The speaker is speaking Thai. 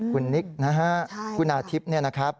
คุณนิกนะฮะคุณอาทิพย์เนี่ยนะครับ